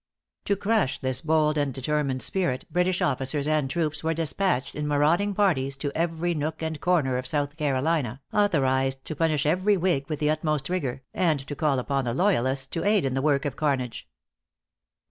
To crush this bold and determined spirit, British officers and troops were despatched, in marauding parties, to every nook and corner of South Carolina, authorized to punish every whig with the utmost rigor, and to call upon the loyalists to aid in the work of carnage.